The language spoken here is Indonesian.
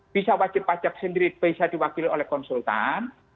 bisa wajib pajak sendiri bisa diwakili oleh konsultan